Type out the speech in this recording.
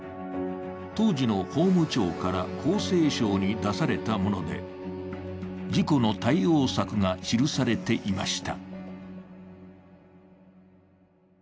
当時の法務庁から厚生省に出されたもので、事故の対応策が記されていました。